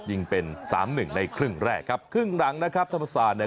ยิงเป็นสามหนึ่งในครึ่งแรกครับครึ่งหลังนะครับธรรมศาสตร์เนี่ย